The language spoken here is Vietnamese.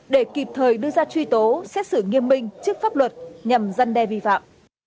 để kịp thời đưa ra truy tố xét xử nghiêm minh trước pháp luật nhằm gian đe vi phạm